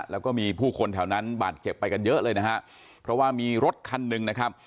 แล้วก็มีผู้คนแถวนั้นบาดเจ็บไปกันเยอะเลยนะฮะเพราะว่ามีรถคันหนึ่งนะครับ